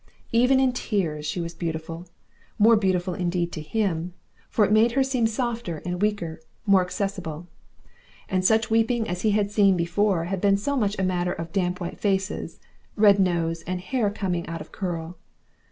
Even in tears she was beautiful, more beautiful indeed to him, for it made her seem softer and weaker, more accessible. And such weeping as he had seen before had been so much a matter of damp white faces, red noses, and hair coming out of curl.